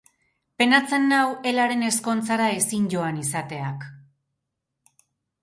Penatzen nau Helaren ezkontzara ezin joan izateak.